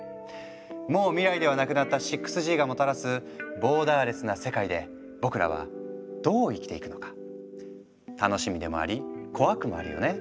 もう未来ではなくなった６Ｇがもたらすボーダーレスな世界で僕らはどう生きていくのか楽しみでもあり怖くもあるよね。